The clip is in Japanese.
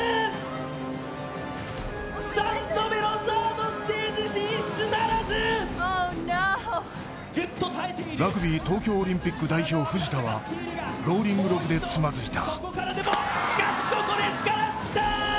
３度目のサードステージ進出ならずラグビー、東京オリンピック代表・藤田はローリングログでつまずいた。